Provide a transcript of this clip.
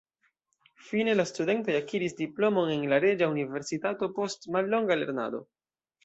Fine la studentoj akiris diplomon en la Reĝa Universitato post mallonga lernado.